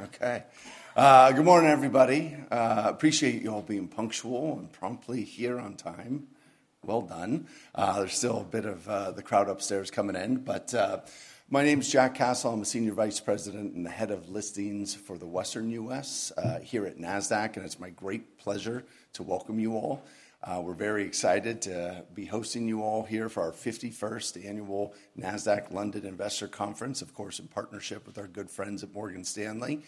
Okay. Good morning, everybody. Appreciate you all being punctual and promptly here on time. Well done. There's still a bit of the crowd upstairs coming in, but my name's Jack Cassel. I'm a Senior Vice President and the Head of Listings for the Western U.S. here at Nasdaq, and it's my great pleasure to welcome you all. We're very excited to be hosting you all here for our 51st Annual Nasdaq London Investor Conference, of course, in partnership with our good friends at Morgan Stanley.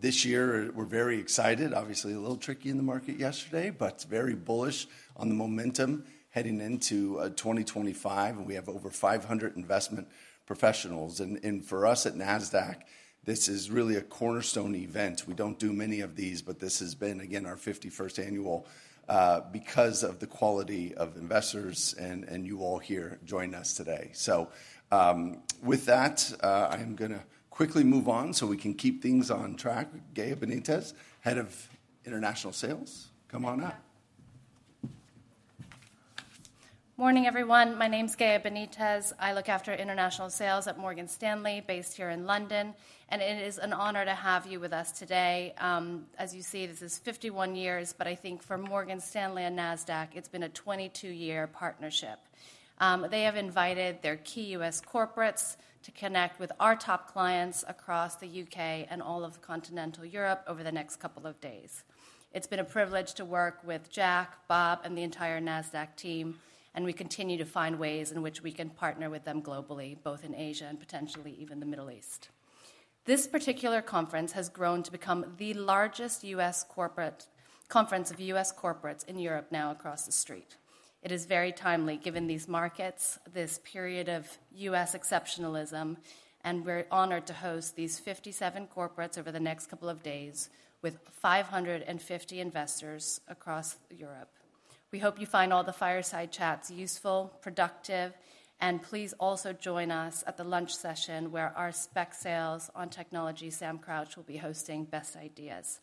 This year, we're very excited. Obviously, a little tricky in the market yesterday, but very bullish on the momentum heading into 2025. We have over 500 investment professionals, and for us at Nasdaq, this is really a cornerstone event. We don't do many of these, but this has been, again, our 51st annual because of the quality of investors and you all here joining us today. So with that, I am going to quickly move on so we can keep things on track. Gaia Benitez, Head of International Sales, come on up. Morning, everyone. My name's Gaia Benitez. I look after international sales at Morgan Stanley, based here in London, and it is an honor to have you with us today. As you see, this is 51 years, but I think for Morgan Stanley and Nasdaq, it's been a 22-year partnership. They have invited their key U.S. corporates to connect with our top clients across the U.K. and all of continental Europe over the next couple of days. It's been a privilege to work with Jack, Bob, and the entire Nasdaq team, and we continue to find ways in which we can partner with them globally, both in Asia and potentially even the Middle East. This particular conference has grown to become the largest U.S. corporate conference of U.S. corporates in Europe now across the street. It is very timely given these markets, this period of U.S. exceptionalism, and we're honored to host these 57 corporates over the next couple of days with 550 investors across Europe. We hope you find all the fireside chats useful, productive, and please also join us at the lunch session where our specialist sales on technology, Sam Crouch, will be hosting best ideas.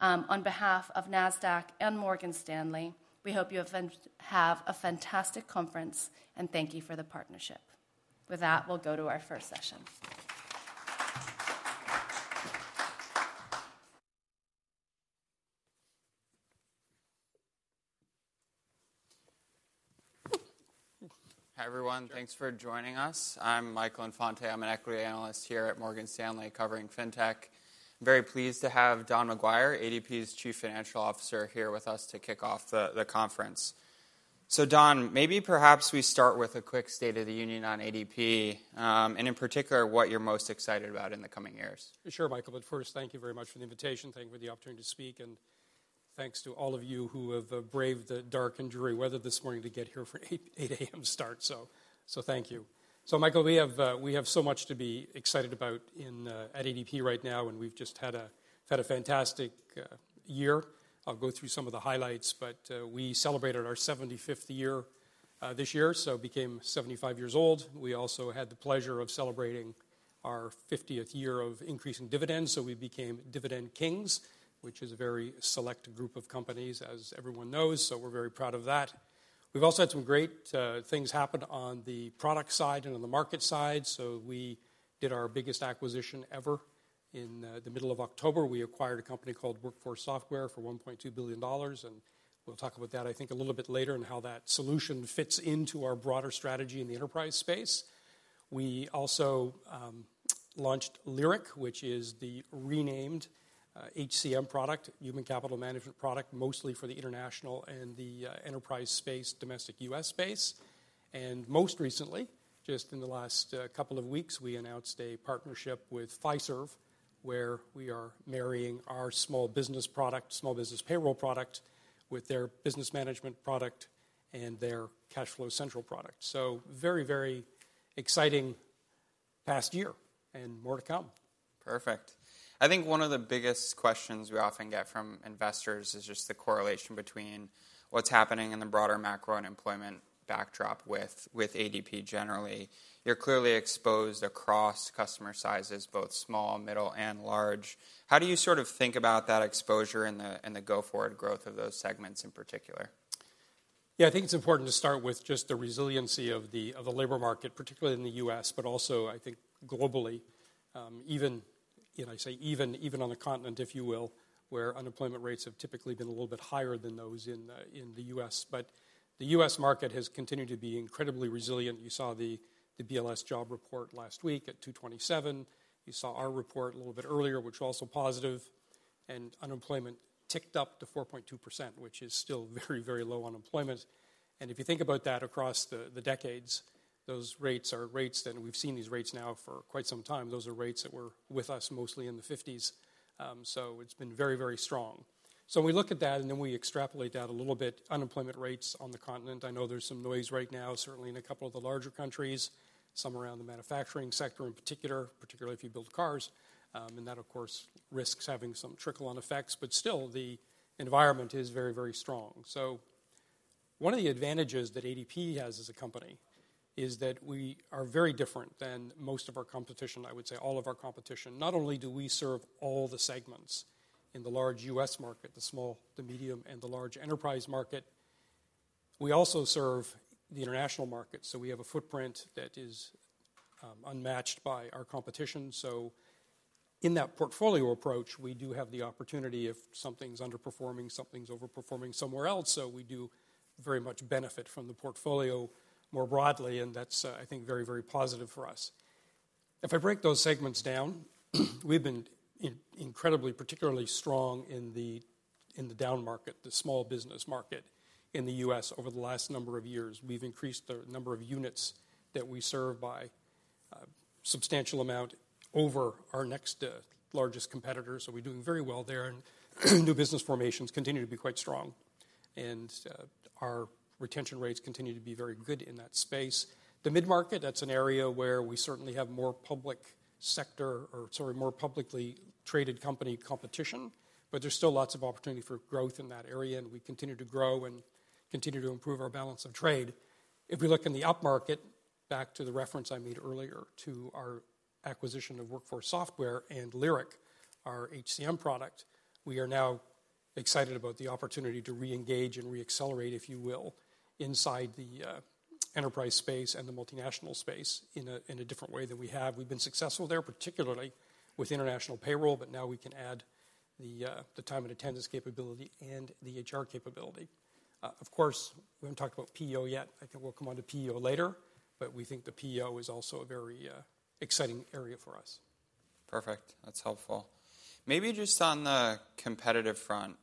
On behalf of Nasdaq and Morgan Stanley, we hope you have a fantastic conference, and thank you for the partnership. With that, we'll go to our first session. Hi, everyone. Thanks for joining us. I'm Michael Infante. I'm an equity analyst here at Morgan Stanley covering fintech. I'm very pleased to have Don McGuire, ADP's Chief Financial Officer, here with us to kick off the conference. So Don, maybe perhaps we start with a quick state of the union on ADP and in particular what you're most excited about in the coming years. Sure, Michael. But first, thank you very much for the invitation. Thank you for the opportunity to speak, and thanks to all of you who have braved the dark and dreary weather this morning to get here for an 8:00 A.M. start. So thank you. So Michael, we have so much to be excited about at ADP right now, and we've just had a fantastic year. I'll go through some of the highlights, but we celebrated our 75th year this year, so became 75 years old. We also had the pleasure of celebrating our 50th year of increasing dividends, so we became dividend kings, which is a very select group of companies, as everyone knows. So we're very proud of that. We've also had some great things happen on the product side and on the market side. So we did our biggest acquisition ever. In the middle of October, we acquired a company called Workforce Software for $1.2 billion, and we'll talk about that, I think, a little bit later and how that solution fits into our broader strategy in the enterprise space. We also launched Lyric, which is the renamed HCM product, human capital management product, mostly for the international and the enterprise space, domestic U.S. space. And most recently, just in the last couple of weeks, we announced a partnership with Fiserv, where we are marrying our small business product, small business payroll product, with their business management product and their Cash Flow Central product. So very, very exciting past year and more to come. Perfect. I think one of the biggest questions we often get from investors is just the correlation between what's happening in the broader macro and employment backdrop with ADP generally. You're clearly exposed across customer sizes, both small, middle, and large. How do you sort of think about that exposure and the go-forward growth of those segments in particular? Yeah, I think it's important to start with just the resiliency of the labor market, particularly in the U.S., but also, I think, globally, even, as I say, even on the continent, if you will, where unemployment rates have typically been a little bit higher than those in the U.S., but the U.S. market has continued to be incredibly resilient. You saw the BLS job report last week at 227. You saw our report a little bit earlier, which was also positive, and unemployment ticked up to 4.2%, which is still very, very low unemployment, and if you think about that across the decades, those rates are rates that we've seen; these rates now for quite some time. Those are rates that were with us mostly in the 50s, so it's been very, very strong, so we look at that, and then we extrapolate that a little bit. Unemployment rates on the continent, I know there's some noise right now, certainly in a couple of the larger countries, some around the manufacturing sector in particular, particularly if you build cars, and that, of course, risks having some trickle-on effects, but still the environment is very, very strong. So one of the advantages that ADP has as a company is that we are very different than most of our competition, I would say all of our competition. Not only do we serve all the segments in the large U.S. market, the small, the medium, and the large enterprise market, we also serve the international market. So we have a footprint that is unmatched by our competition. In that portfolio approach, we do have the opportunity if something's underperforming, something's overperforming somewhere else, so we do very much benefit from the portfolio more broadly, and that's, I think, very, very positive for us. If I break those segments down, we've been incredibly, particularly strong in the down market, the small business market in the U.S. over the last number of years. We've increased the number of units that we serve by a substantial amount over our next largest competitor, so we're doing very well there, and new business formations continue to be quite strong, and our retention rates continue to be very good in that space. The mid-market, that's an area where we certainly have more public sector, or sorry, more publicly traded company competition, but there's still lots of opportunity for growth in that area, and we continue to grow and continue to improve our balance of trade. If we look in the up market, back to the reference I made earlier to our acquisition of Workforce Software and Lyric, our HCM product, we are now excited about the opportunity to re-engage and re-accelerate, if you will, inside the enterprise space and the multinational space in a different way than we have. We've been successful there, particularly with international payroll, but now we can add the time and attendance capability and the HR capability. Of course, we haven't talked about PEO yet. I think we'll come on to PEO later, but we think the PEO is also a very exciting area for us. Perfect. That's helpful. Maybe just on the competitive front,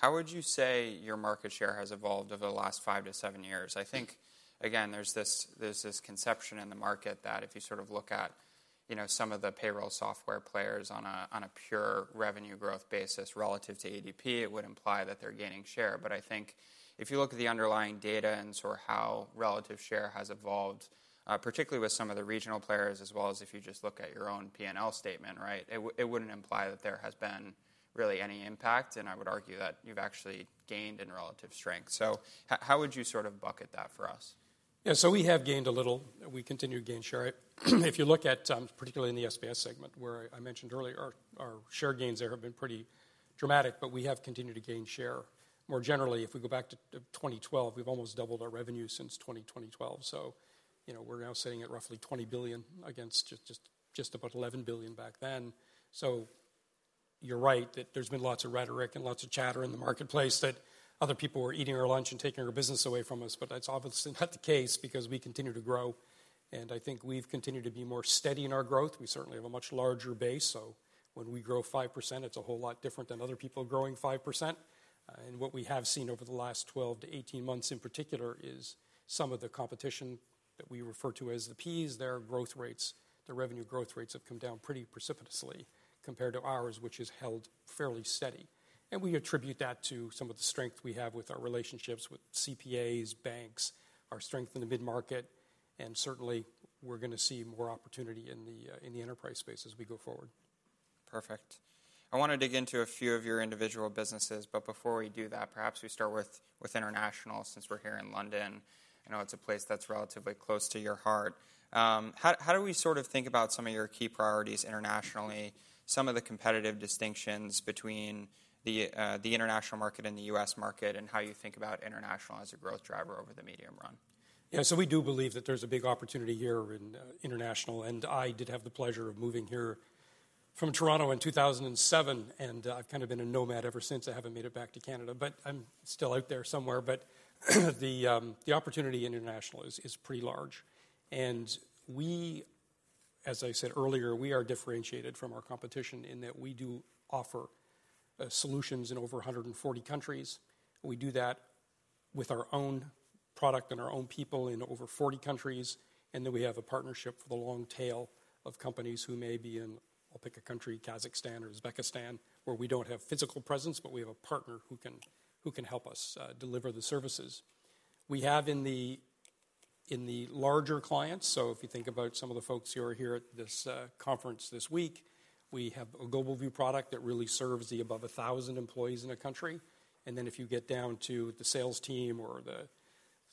how would you say your market share has evolved over the last five to seven years? I think, again, there's this conception in the market that if you sort of look at some of the payroll software players on a pure revenue growth basis relative to ADP, it would imply that they're gaining share. But I think if you look at the underlying data and sort of how relative share has evolved, particularly with some of the regional players, as well as if you just look at your own P&L statement, right, it wouldn't imply that there has been really any impact, and I would argue that you've actually gained in relative strength. So how would you sort of bucket that for us? Yeah, so we have gained a little. We continue to gain share. If you look at, particularly in the SBS segment, where I mentioned earlier, our share gains there have been pretty dramatic, but we have continued to gain share. More generally, if we go back to 2012, we've almost doubled our revenue since 2012. So we're now sitting at roughly $20 billion against just about $11 billion back then. So you're right that there's been lots of rhetoric and lots of chatter in the marketplace that other people were eating our lunch and taking our business away from us, but that's obviously not the case because we continue to grow. And I think we've continued to be more steady in our growth. We certainly have a much larger base. So when we grow 5%, it's a whole lot different than other people growing 5%. And what we have seen over the last 12-18 months in particular is some of the competition that we refer to as the P's, their growth rates, their revenue growth rates have come down pretty precipitously compared to ours, which has held fairly steady. And we attribute that to some of the strength we have with our relationships with CPAs, banks, our strength in the mid-market, and certainly we're going to see more opportunity in the enterprise space as we go forward. Perfect. I want to dig into a few of your individual businesses, but before we do that, perhaps we start with international since we're here in London. I know it's a place that's relatively close to your heart. How do we sort of think about some of your key priorities internationally, some of the competitive distinctions between the international market and the U.S. market, and how you think about international as a growth driver over the medium run? Yeah, so we do believe that there's a big opportunity here in international, and I did have the pleasure of moving here from Toronto in 2007, and I've kind of been a nomad ever since. I haven't made it back to Canada, but I'm still out there somewhere. But the opportunity in international is pretty large. And we, as I said earlier, we are differentiated from our competition in that we do offer solutions in over 140 countries. We do that with our own product and our own people in over 40 countries, and then we have a partnership for the long tail of companies who may be in, I'll pick a country, Kazakhstan or Uzbekistan, where we don't have physical presence, but we have a partner who can help us deliver the services. We have in the larger clients, so if you think about some of the folks who are here at this conference this week, we have a GlobalView product that really serves the above 1,000 employees in a country. And then if you get down to the sales team or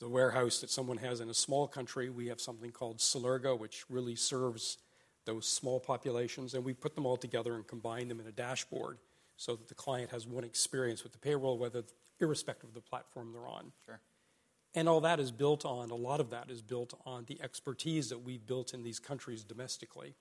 the warehouse that someone has in a small country, we have something called Celergo, which really serves those small populations, and we put them all together and combine them in a dashboard so that the client has one experience with the payroll, whether irrespective of the platform they're on. And all that is built on, a lot of that is built on the expertise that we've built in these countries domestically.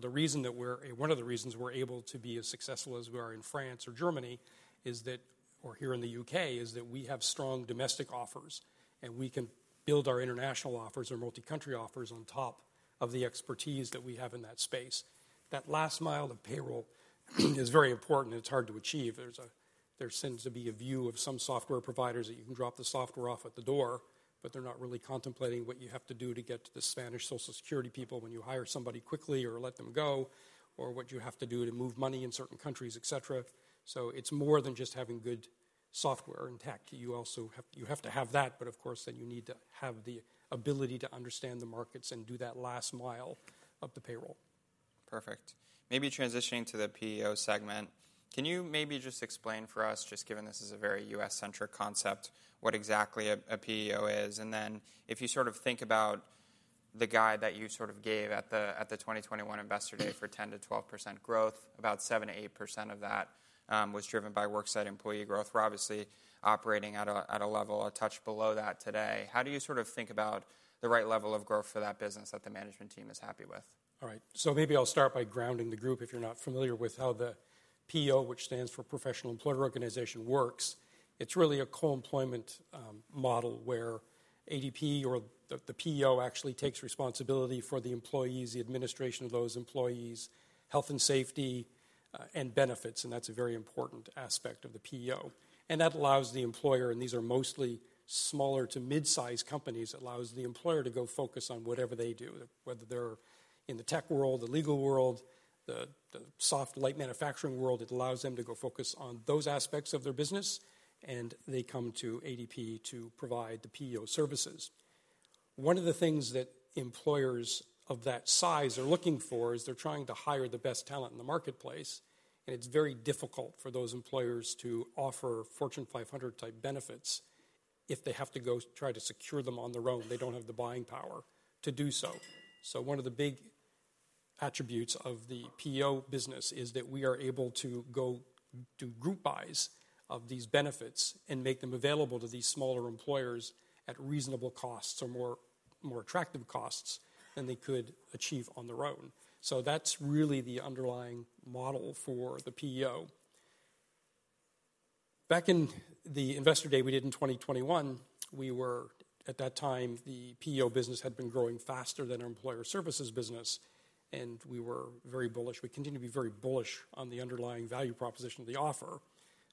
The reason that we're, one of the reasons we're able to be as successful as we are in France or Germany is that, or here in the U.K., is that we have strong domestic offers, and we can build our international offers or multi-country offers on top of the expertise that we have in that space. That last mile of payroll is very important, and it's hard to achieve. There seems to be a view of some software providers that you can drop the software off at the door, but they're not really contemplating what you have to do to get to the Spanish Social Security people when you hire somebody quickly or let them go, or what you have to do to move money in certain countries, et cetera. It's more than just having good software and tech. You have to have that, but of course, then you need to have the ability to understand the markets and do that last mile of the payroll. Perfect. Maybe transitioning to the PEO segment, can you maybe just explain for us, just given this is a very U.S.-centric concept, what exactly a PEO is? And then if you sort of think about the guide that you sort of gave at the 2021 Investor Day for 10%-12% growth, about 7%-8% of that was driven by worksite employee growth. We're obviously operating at a level a touch below that today. How do you sort of think about the right level of growth for that business that the management team is happy with? All right. So maybe I'll start by grounding the group. If you're not familiar with how the PEO, which stands for Professional Employer Organization, works, it's really a co-employment model where ADP or the PEO actually takes responsibility for the employees, the administration of those employees, health and safety, and benefits, and that's a very important aspect of the PEO. And that allows the employer, and these are mostly smaller to mid-sized companies, it allows the employer to go focus on whatever they do, whether they're in the tech world, the legal world, the software, light manufacturing world. It allows them to go focus on those aspects of their business, and they come to ADP to provide the PEO services. One of the things that employers of that size are looking for is they're trying to hire the best talent in the marketplace, and it's very difficult for those employers to offer Fortune 500-type benefits if they have to go try to secure them on their own. They don't have the buying power to do so. So one of the big attributes of the PEO business is that we are able to go do group buys of these benefits and make them available to these smaller employers at reasonable costs or more attractive costs than they could achieve on their own. So that's really the underlying model for the PEO. Back in the Investor Day we did in 2021, we were at that time, the PEO business had been growing faster than our Employer Services business, and we were very bullish. We continue to be very bullish on the underlying value proposition of the offer.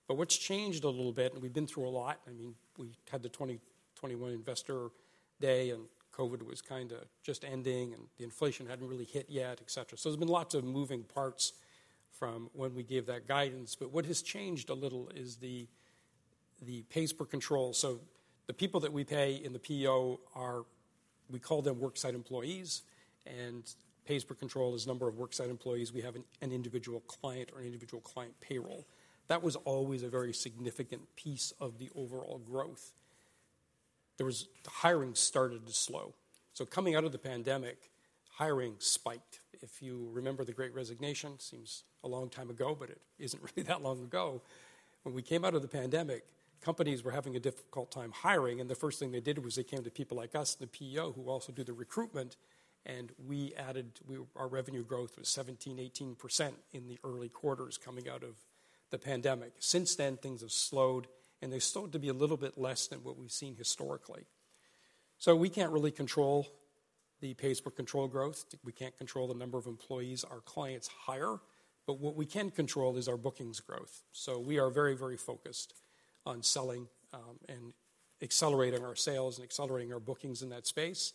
But what's changed a little bit, and we've been through a lot, I mean, we had the 2021 Investor Day, and COVID was kind of just ending, and the inflation hadn't really hit yet, et cetera. So there's been lots of moving parts from when we gave that guidance. But what has changed a little is the pays per control. So the people that we pay in the PEO, we call them worksite employees, and pays per control is the number of worksite employees we have an individual client or an individual client payroll. That was always a very significant piece of the overall growth. The hiring started to slow. So coming out of the pandemic, hiring spiked. If you remember the Great Resignation, seems a long time ago, but it isn't really that long ago. When we came out of the pandemic, companies were having a difficult time hiring, and the first thing they did was they came to people like us, the PEO, who also do the recruitment, and our revenue growth was 17%, 18% in the early quarters coming out of the pandemic. Since then, things have slowed, and they've slowed to be a little bit less than what we've seen historically. So we can't really control the pays-per-control growth. We can't control the number of employees our clients hire, but what we can control is our bookings growth. So we are very, very focused on selling and accelerating our sales and accelerating our bookings in that space.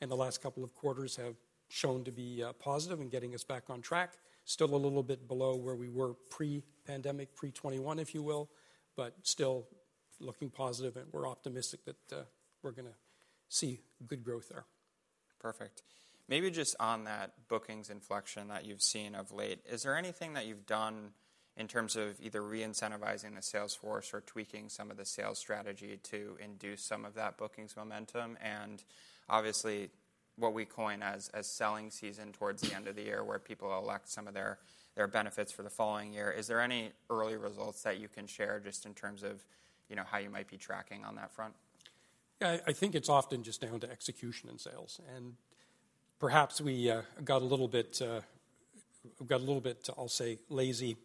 The last couple of quarters have shown to be positive and getting us back on track, still a little bit below where we were pre-pandemic, pre-2021, if you will, but still looking positive, and we're optimistic that we're going to see good growth there. Perfect. Maybe just on that bookings inflection that you've seen of late, is there anything that you've done in terms of either re-incentivizing the sales force or tweaking some of the sales strategy to induce some of that bookings momentum? And obviously, what we coin as selling season towards the end of the year, where people elect some of their benefits for the following year, is there any early results that you can share just in terms of how you might be tracking on that front? Yeah, I think it's often just down to execution and sales. And perhaps we got a little bit, I'll say, lazy.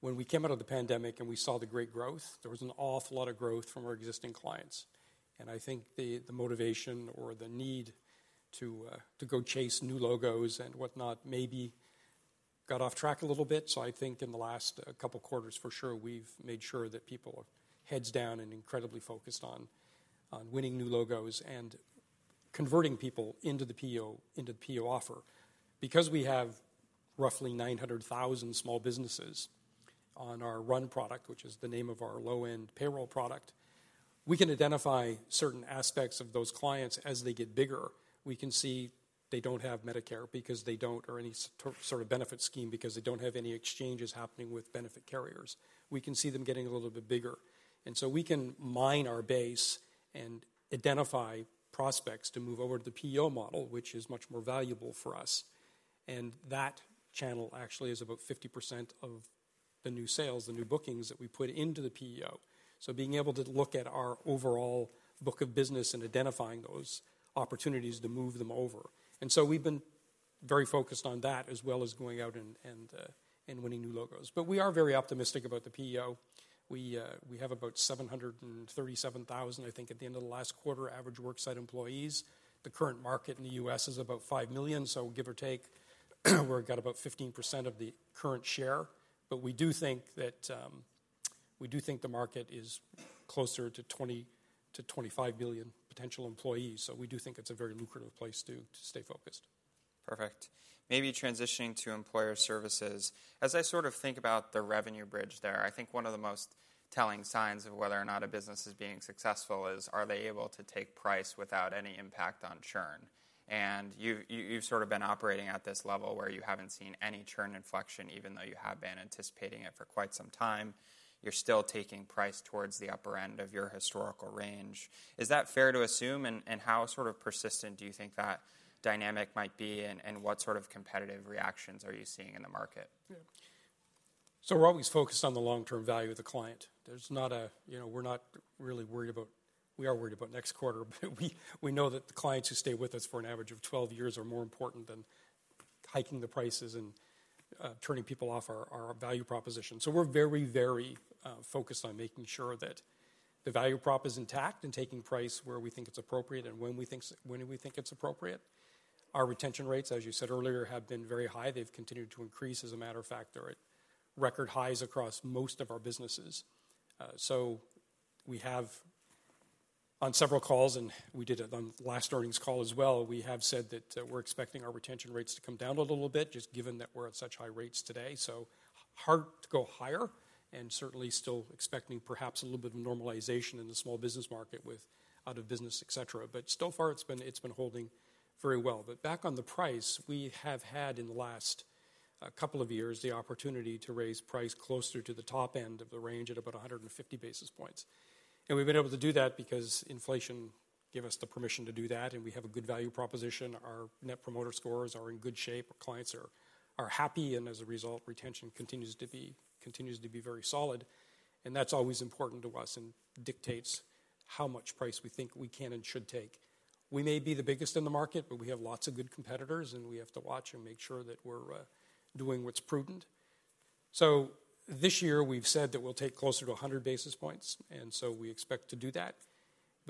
When we came out of the pandemic and we saw the great growth, there was an awful lot of growth from our existing clients. And I think the motivation or the need to go chase new logos and whatnot maybe got off track a little bit. So I think in the last couple of quarters, for sure, we've made sure that people are heads down and incredibly focused on winning new logos and converting people into the PEO offer. Because we have roughly 900,000 small businesses on our run product, which is the name of our low-end payroll product, we can identify certain aspects of those clients as they get bigger. We can see they don't have Medicare because they don't, or any sort of benefit scheme because they don't have any exchanges happening with benefit carriers. We can see them getting a little bit bigger. And so we can mine our base and identify prospects to move over to the PEO model, which is much more valuable for us. And that channel actually is about 50% of the new sales, the new bookings that we put into the PEO. So being able to look at our overall book of business and identifying those opportunities to move them over. And so we've been very focused on that as well as going out and winning new logos. But we are very optimistic about the PEO. We have about 737,000, I think, at the end of the last quarter, average worksite employees. The current market in the U.S. is about five million, so give or take, we're at about 15% of the current share. But we do think the market is closer to 20-25 million potential employees. So we do think it's a very lucrative place to stay focused. Perfect. Maybe transitioning to Employer Services. As I sort of think about the revenue bridge there, I think one of the most telling signs of whether or not a business is being successful is are they able to take price without any impact on churn? And you've sort of been operating at this level where you haven't seen any churn inflection, even though you have been anticipating it for quite some time. You're still taking price towards the upper end of your historical range. Is that fair to assume? And how sort of persistent do you think that dynamic might be, and what sort of competitive reactions are you seeing in the market? Yeah. So we're always focused on the long-term value of the client. There's not a, you know, we're not really worried about, we are worried about next quarter, but we know that the clients who stay with us for an average of 12 years are more important than hiking the prices and turning people off our value proposition. So we're very, very focused on making sure that the value prop is intact and taking price where we think it's appropriate and when we think it's appropriate. Our retention rates, as you said earlier, have been very high. They've continued to increase. As a matter of fact, they're at record highs across most of our businesses. So we have, on several calls, and we did it on last earnings call as well, we have said that we're expecting our retention rates to come down a little bit, just given that we're at such high rates today, so hard to go higher, and certainly still expecting perhaps a little bit of normalization in the small business market with out of business, et cetera, but so far, it's been holding very well, but back on the price, we have had in the last couple of years the opportunity to raise price closer to the top end of the range at about 150 basis points, and we've been able to do that because inflation gave us the permission to do that, and we have a good value proposition. Our net promoter scores are in good shape. Our clients are happy, and as a result, retention continues to be very solid. That's always important to us and dictates how much price we think we can and should take. We may be the biggest in the market, but we have lots of good competitors, and we have to watch and make sure that we're doing what's prudent. This year, we've said that we'll take closer to 100 basis points, and so we expect to do that.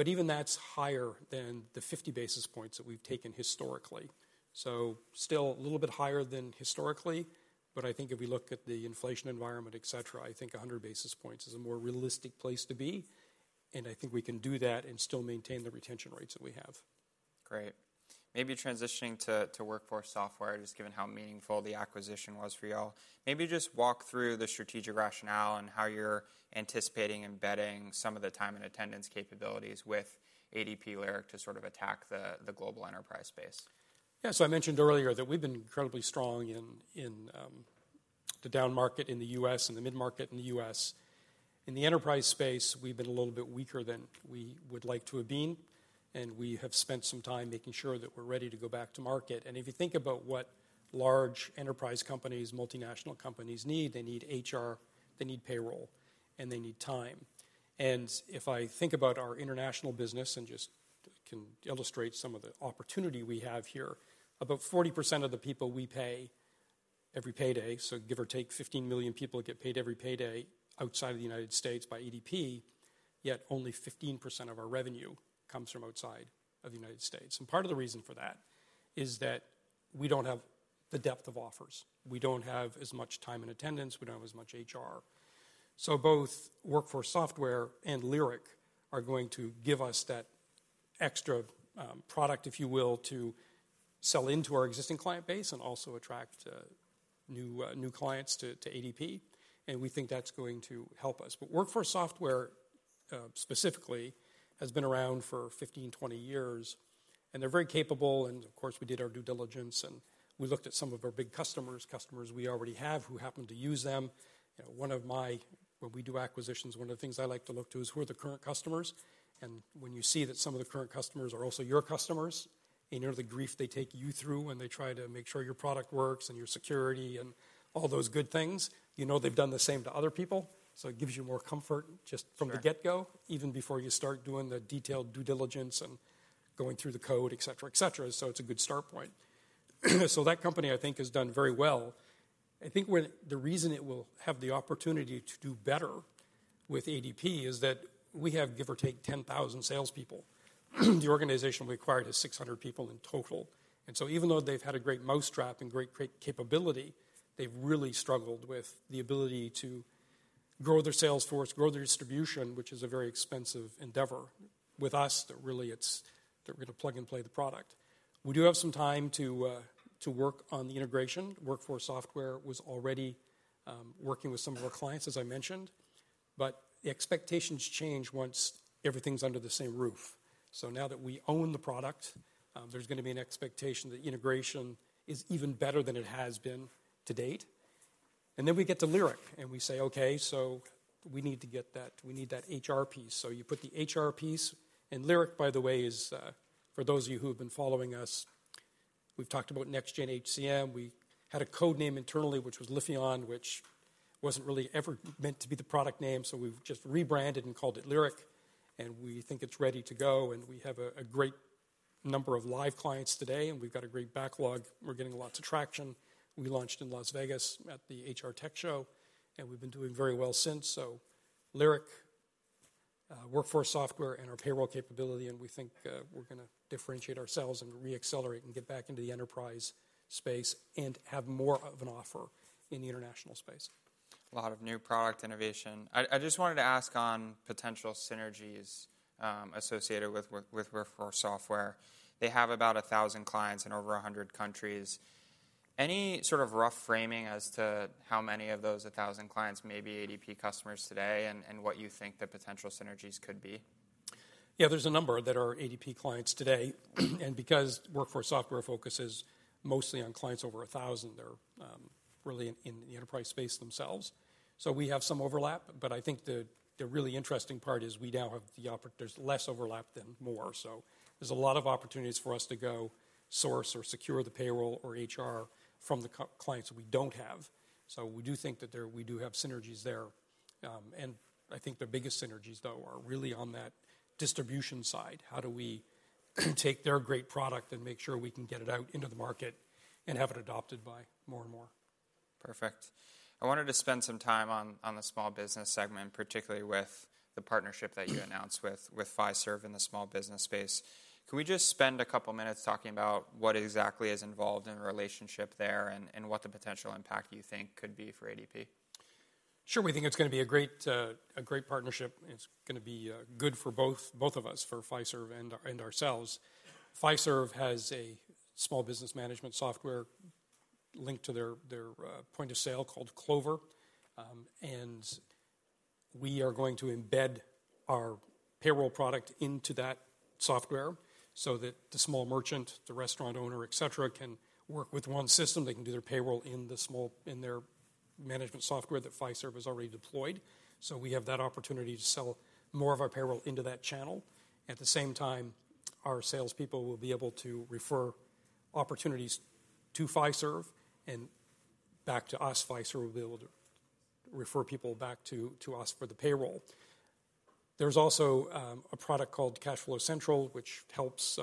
Even that's higher than the 50 basis points that we've taken historically. Still a little bit higher than historically, but I think if we look at the inflation environment, et cetera, I think 100 basis points is a more realistic place to be. I think we can do that and still maintain the retention rates that we have. Great. Maybe transitioning to Workforce Software, just given how meaningful the acquisition was for y'all, maybe just walk through the strategic rationale and how you're anticipating embedding some of the time and attendance capabilities with ADP Lyric to sort of attack the global enterprise space. Yeah. So I mentioned earlier that we've been incredibly strong in the down market in the U.S. and the mid-market in the U.S. In the enterprise space, we've been a little bit weaker than we would like to have been, and we have spent some time making sure that we're ready to go back to market. If you think about what large enterprise companies, multinational companies need, they need HR, they need payroll, and they need time. If I think about our international business and just can illustrate some of the opportunity we have here, about 40% of the people we pay every payday, so give or take 15 million people get paid every payday outside of the United States by ADP, yet only 15% of our revenue comes from outside of the United States. Part of the reason for that is that we don't have the depth of offers. We don't have as much time and attendance. We don't have as much HR. Both Workforce Software and Lyric are going to give us that extra product, if you will, to sell into our existing client base and also attract new clients to ADP. We think that's going to help us. Workforce Software specifically has been around for 15-20 years, and they're very capable. Of course, we did our due diligence, and we looked at some of our big customers, customers we already have who happen to use them. One of my, when we do acquisitions, one of the things I like to look to is who are the current customers. When you see that some of the current customers are also your customers and you know the grief they take you through when they try to make sure your product works and your security and all those good things, you know they've done the same to other people. So it gives you more comfort just from the get-go, even before you start doing the detailed due diligence and going through the code, et cetera, et cetera. So it's a good start point. So that company, I think, has done very well. I think the reason it will have the opportunity to do better with ADP is that we have, give or take, 10,000 salespeople. The organization we acquired has 600 people in total. And so even though they've had a great mousetrap and great capability, they've really struggled with the ability to grow their sales force, grow their distribution, which is a very expensive endeavor. With us, really, it's that we're going to plug and play the product. We do have some time to work on the integration. Workforce Software was already working with some of our clients, as I mentioned, but the expectations change once everything's under the same roof. So now that we own the product, there's going to be an expectation that integration is even better than it has been to date. And then we get to Lyric and we say, okay, so we need to get that, we need that HR piece. So you put the HR piece, and Lyric, by the way, is for those of you who have been following us, we've talked about NextGen HCM. We had a code name internally, which was Lifion, which wasn't really ever meant to be the product name. So we've just rebranded and called it Lyric, and we think it's ready to go. We have a great number of live clients today, and we've got a great backlog. We're getting lots of traction. We launched in Las Vegas at the HR Tech Show, and we've been doing very well since. Lyric, Workforce Software, and our payroll capability differentiate us, and we think we're going to differentiate ourselves and re-accelerate and get back into the enterprise space and have more of an offer in the international space. A lot of new product innovation. I just wanted to ask on potential synergies associated with Workforce Software. They have about 1,000 clients in over 100 countries. Any sort of rough framing as to how many of those 1,000 clients may be ADP customers today and what you think the potential synergies could be? Yeah, there's a number that are ADP clients today. And because Workforce Software focuses mostly on clients over 1,000, they're really in the enterprise space themselves. So we have some overlap, but I think the really interesting part is we now have the opportunity. There's less overlap than more. So there's a lot of opportunities for us to go source or secure the payroll or HR from the clients that we don't have. So we do think that we do have synergies there. And I think the biggest synergies, though, are really on that distribution side. How do we take their great product and make sure we can get it out into the market and have it adopted by more and more? Perfect. I wanted to spend some time on the small business segment, particularly with the partnership that you announced with Fiserv in the small business space. Can we just spend a couple of minutes talking about what exactly is involved in the relationship there and what the potential impact you think could be for ADP? Sure. We think it's going to be a great partnership. It's going to be good for both of us, for Fiserv and ourselves. Fiserv has a small business management software linked to their point of sale called Clover. And we are going to embed our payroll product into that software so that the small merchant, the restaurant owner, et cetera, can work with one system. They can do their payroll in their management software that Fiserv has already deployed. So we have that opportunity to sell more of our payroll into that channel. At the same time, our salespeople will be able to refer opportunities to Fiserv and back to us. Fiserv will be able to refer people back to us for the payroll. There's also a product called Cash Flow Central, which helps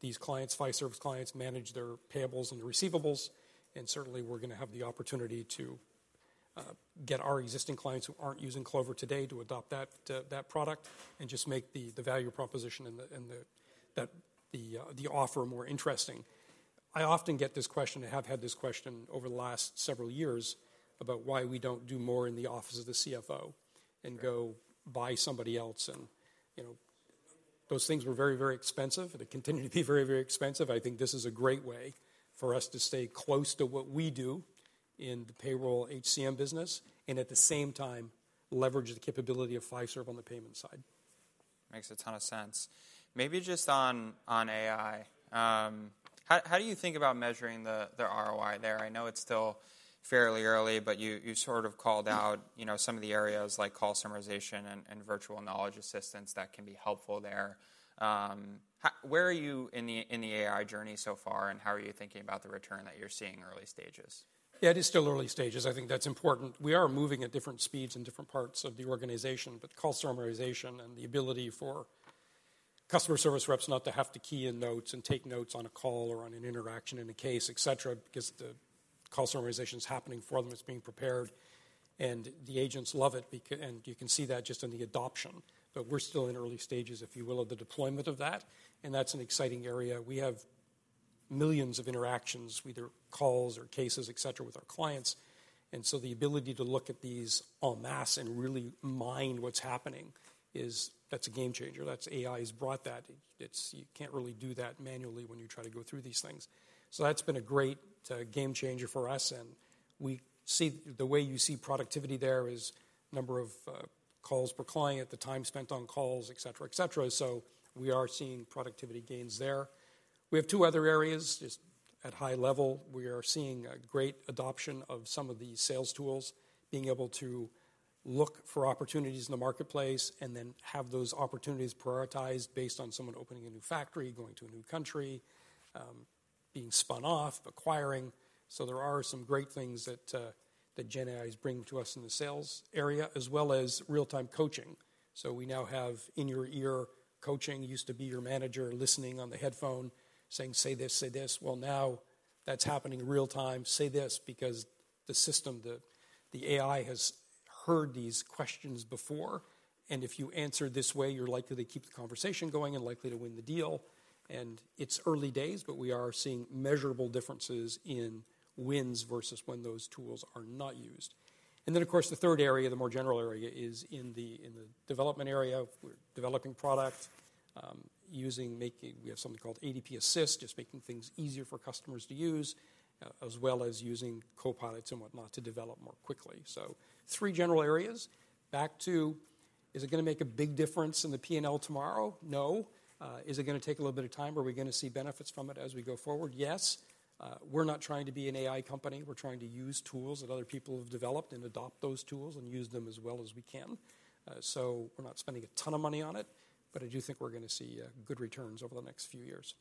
these clients, Fiserv's clients, manage their payables and receivables. Certainly, we're going to have the opportunity to get our existing clients who aren't using Clover today to adopt that product and just make the value proposition and the offer more interesting. I often get this question and have had this question over the last several years about why we don't do more in the office of the CFO and go buy somebody else. And those things were very, very expensive, and they continue to be very, very expensive. I think this is a great way for us to stay close to what we do in the payroll HCM business and at the same time leverage the capability of Fiserv on the payment side. Makes a ton of sense. Maybe just on AI, how do you think about measuring the ROI there? I know it's still fairly early, but you sort of called out some of the areas like call summarization and virtual knowledge assistance that can be helpful there. Where are you in the AI journey so far, and how are you thinking about the return that you're seeing in early stages? Yeah, it is still early stages. I think that's important. We are moving at different speeds in different parts of the organization, but call summarization and the ability for customer service reps not to have to key in notes and take notes on a call or on an interaction in a case, et cetera, because the call summarization is happening for them. It's being prepared, and the agents love it, and you can see that just in the adoption, but we're still in early stages, if you will, of the deployment of that. And that's an exciting area. We have millions of interactions, either calls or cases, et cetera, with our clients. And so the ability to look at these en masse and really mine what's happening, that's a game changer. AI has brought that. You can't really do that manually when you try to go through these things. So that's been a great game changer for us. And the way you see productivity there is number of calls per client, the time spent on calls, et cetera, et cetera. So we are seeing productivity gains there. We have two other areas just at high level. We are seeing a great adoption of some of these sales tools, being able to look for opportunities in the marketplace and then have those opportunities prioritized based on someone opening a new factory, going to a new country, being spun off, acquiring. So there are some great things that Gen AI is bringing to us in the sales area, as well as real-time coaching. So we now have in-your-ear coaching. It used to be your manager listening on the headphone saying, "Say this, say this." Well, now that's happening real time. Say this because the system, the AI, has heard these questions before. And if you answer this way, you're likely to keep the conversation going and likely to win the deal. And it's early days, but we are seeing measurable differences in wins versus when those tools are not used. And then, of course, the third area, the more general area, is in the development area. We're developing product, using, making, we have something called ADP Assist, just making things easier for customers to use, as well as using copilots and whatnot to develop more quickly. So three general areas. Back to, is it going to make a big difference in the P&L tomorrow? No. Is it going to take a little bit of time? Are we going to see benefits from it as we go forward? Yes. We're not trying to be an AI company. We're trying to use tools that other people have developed and adopt those tools and use them as well as we can. So we're not spending a ton of money on it, but I do think we're going to see good returns over the next few years.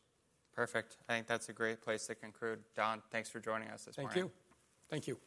Perfect. I think that's a great place to conclude. Don, thanks for joining us this morning. Thank you. Thank you.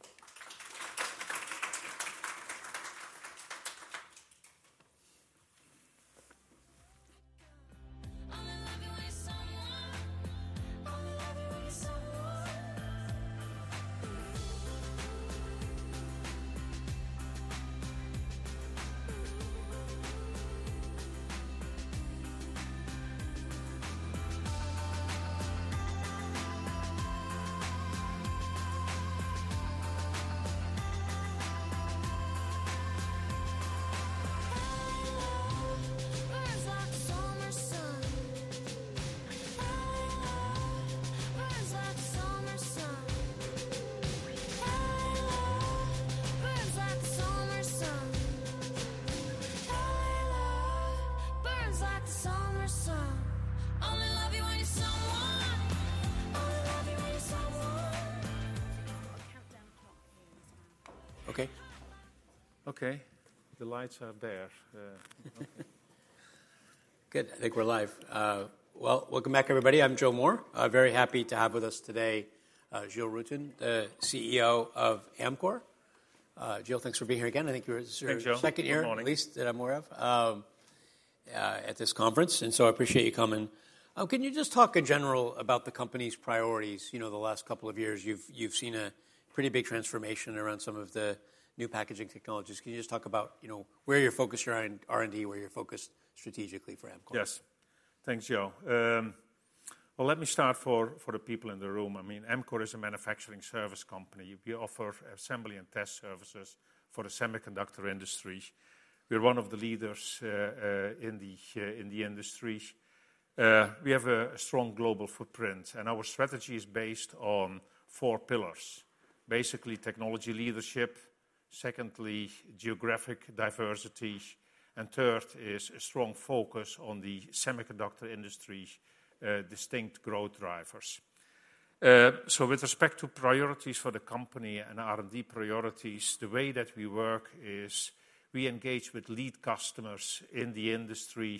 Okay. Okay. The lights are there. Good. I think we're live. Well, welcome back, everybody. I'm Joe Moore. Very happy to have with us today Giel Rutten, the CEO of Amkor. Giel, thanks for being here again. I think you're the second year at least that I'm aware of at this conference. And so I appreciate you coming. Can you just talk in general about the company's priorities? You know, the last couple of years, you've seen a pretty big transformation around some of the new packaging technologies. Can you just talk about where you're focused around R&D, where you're focused strategically for Amkor? Yes. Thanks, Joe. Well, let me start for the people in the room. I mean, Amkor is a manufacturing service company. We offer assembly and test services for the semiconductor industry. We're one of the leaders in the industry. We have a strong global footprint, and our strategy is based on four pillars. Basically, technology leadership. Secondly, geographic diversity. And third is a strong focus on the semiconductor industry distinct growth drivers. So with respect to priorities for the company and R&D priorities, the way that we work is we engage with lead customers in the industry,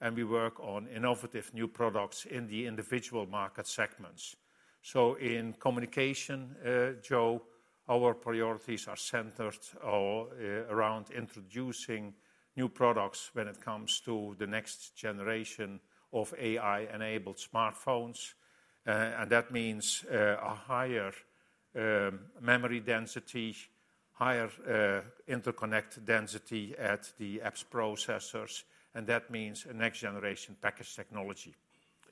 and we work on innovative new products in the individual market segments. So in communication, Joe, our priorities are centered around introducing new products when it comes to the next generation of AI-enabled smartphones. And that means a higher memory density, higher interconnect density at the apps processors. And that means a next generation package technology.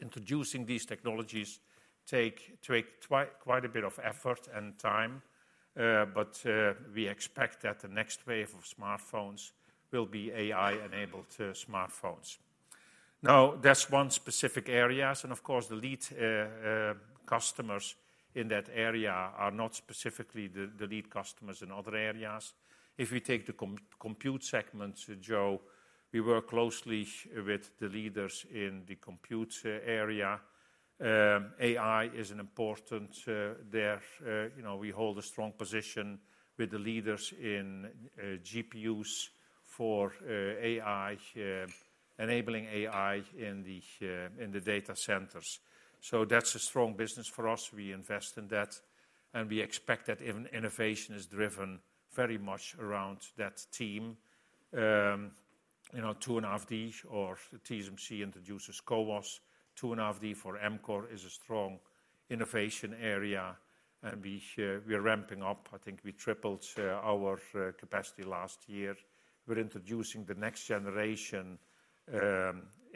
Introducing these technologies takes quite a bit of effort and time, but we expect that the next wave of smartphones will be AI-enabled smartphones. Now, that's one specific area. And of course, the lead customers in that area are not specifically the lead customers in other areas. If we take the compute segment, Joe, we work closely with the leaders in the compute area. AI is important there. We hold a strong position with the leaders in GPUs for AI, enabling AI in the data centers. So that's a strong business for us. We invest in that, and we expect that innovation is driven very much around that team. 2.5D or TSMC introduces CoWoS. 2.5D for Amkor is a strong innovation area, and we are ramping up. I think we tripled our capacity last year. We're introducing the next generation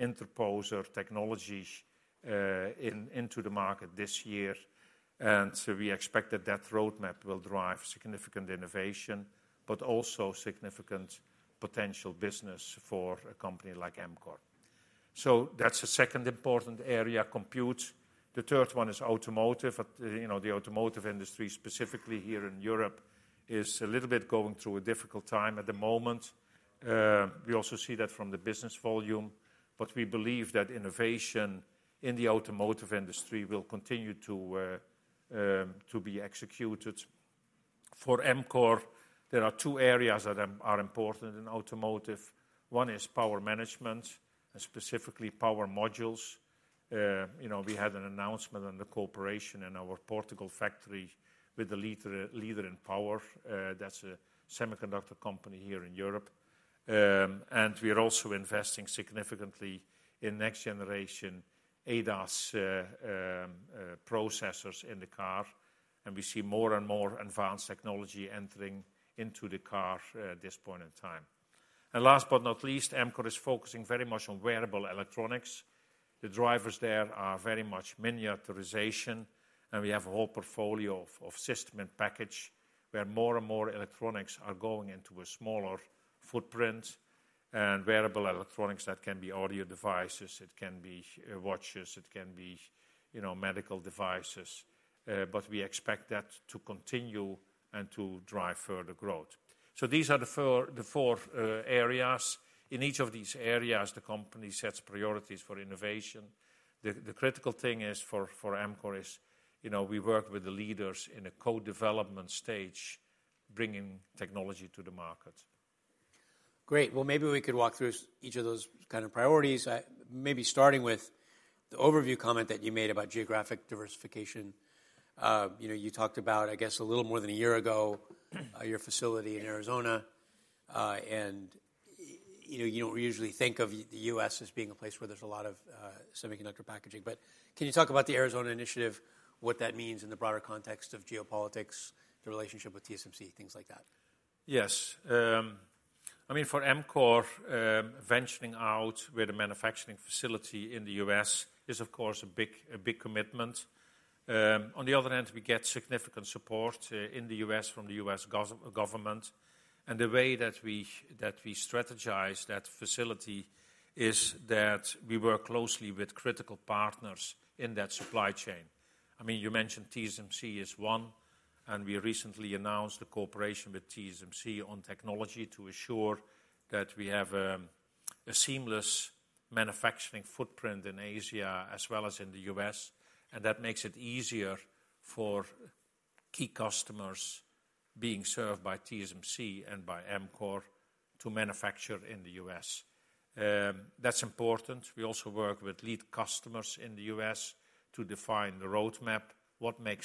interposer technologies into the market this year, and so we expect that that roadmap will drive significant innovation, but also significant potential business for a company like Amkor. So that's a second important area, compute. The third one is automotive. The automotive industry, specifically here in Europe, is a little bit going through a difficult time at the moment. We also see that from the business volume, but we believe that innovation in the automotive industry will continue to be executed. For Amkor, there are two areas that are important in automotive. One is power management and specifically power modules. We had an announcement on the collaboration and our Portugal factory with the leader in power. That's a semiconductor company here in Europe, and we are also investing significantly in next generation ADAS processors in the car. And we see more and more advanced technology entering into the car at this point in time. And last but not least, Amkor is focusing very much on wearable electronics. The drivers there are very much miniaturization, and we have a whole portfolio of System in Package where more and more electronics are going into a smaller footprint and wearable electronics that can be audio devices. It can be watches. It can be medical devices. But we expect that to continue and to drive further growth. So these are the four areas. In each of these areas, the company sets priorities for innovation. The critical thing for Amkor is we work with the leaders in a co-development stage, bringing technology to the market. Great. Well, maybe we could walk through each of those kind of priorities, maybe starting with the overview comment that you made about geographic diversification. You talked about, I guess, a little more than a year ago, your facility in Arizona. And you don't usually think of the U.S. as being a place where there's a lot of semiconductor packaging. But can you talk about the Arizona initiative, what that means in the broader context of geopolitics, the relationship with TSMC, things like that? Yes. I mean, for Amkor, venturing out with a manufacturing facility in the U.S. is, of course, a big commitment. On the other hand, we get significant support in the U.S. from the U.S. government. And the way that we strategize that facility is that we work closely with critical partners in that supply chain. I mean, you mentioned TSMC is one, and we recently announced the cooperation with TSMC on technology to ensure that we have a seamless manufacturing footprint in Asia as well as in the U.S. And that makes it easier for key customers being served by TSMC and by Amkor to manufacture in the U.S. That's important. We also work with lead customers in the U.S. to define the roadmap, what might.